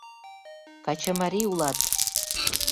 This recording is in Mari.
Качымарий улат!»